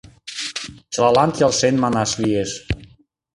Чылалан келшен манаш лиеш.